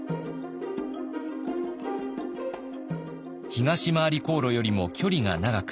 東廻り航路よりも距離が長く